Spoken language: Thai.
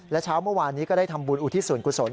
และเช้าเมื่อวานนี้ก็ได้ทำบุญอุทิศส่วนกุศล